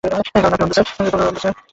কারণ আপনি অন্ধ স্যার।